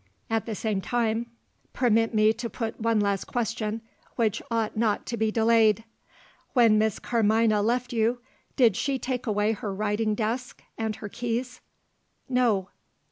At the same time, permit me to put one last question which ought not to be delayed. When Miss Carmina left you, did she take away her writing desk and her keys?" "No."